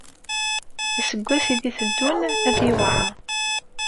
Aseggas ay d-yetteddun ad yewɛeṛ.